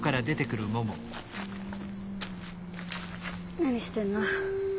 何してんの？